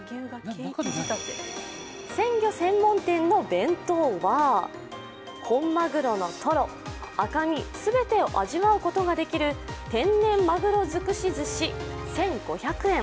鮮魚専門店のお弁当は、本まぐろのトロ、赤身全てを味わうことができる天然まぐろづくし鮨１５００円。